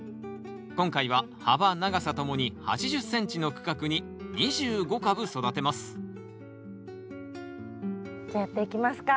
今回は幅長さともに８０ｃｍの区画に２５株育てますじゃあやっていきますか。